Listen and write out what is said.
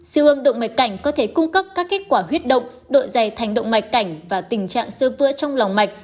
siêu âm động mạch cảnh có thể cung cấp các kết quả huyết động đội dày thành động mạch cảnh và tình trạng sơ vữa trong lòng mạch